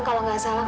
kalau gak salah